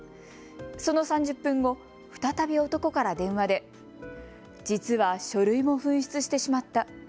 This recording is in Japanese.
その３０分後、再び男から電話で実は書類も紛失してしまった。